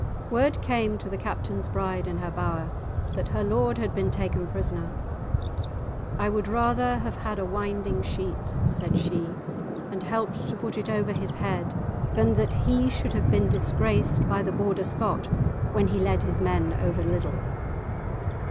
Word came to the Captain's bride in her bower, that her lord had been taken prisoner. "I would rather have had a winding sheet," said she, "and helped to put it over his head than that he should have been disgraced by the Border Scot when he led his men over Liddel."